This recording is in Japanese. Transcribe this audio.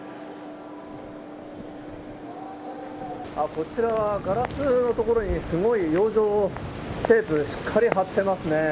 こちらはガラスの所にすごい養生テープ、しっかり貼ってますね。